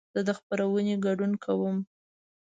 زه د خپرونې ګډون کوم.